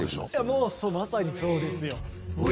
もうまさにそうですよ。